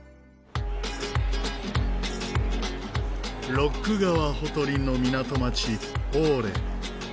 ロック川ほとりの港町オーレ。